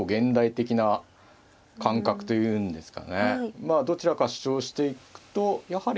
まあどちらか主張していくとやはり。